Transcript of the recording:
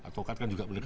tokat kan juga beli beli